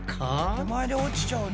手前で落ちちゃうね。